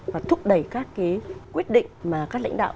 và thúc đẩy các cái quyết định mà các lãnh đạo